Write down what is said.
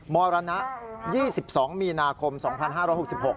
มรณอ๒๒มีนาคมฆ่าไทย๒๕๖๖